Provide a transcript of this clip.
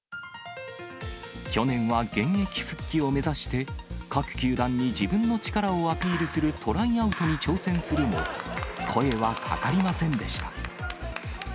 去年は現役復帰を目指して、各球団に自分の力をアピールするトライアウトに挑戦するも、声はかかりませんでした。